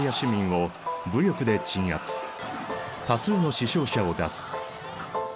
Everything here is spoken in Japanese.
多数の死傷者を出す。